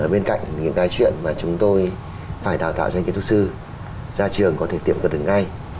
bên cạnh những cái chuyện mà chúng tôi phải đào tạo cho anh kiến trúc sư ra trường có thể tiệm cực được ngay